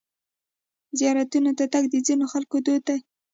زیارتونو ته تګ د ځینو خلکو دود دی.